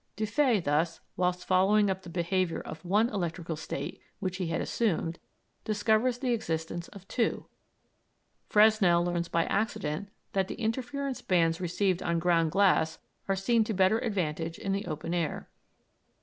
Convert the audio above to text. Dufay, thus, whilst following up the behavior of one electrical state which he had assumed, discovers the existence of two. Fresnel learns by accident that the interference bands received on ground glass are seen to better advantage in the open air.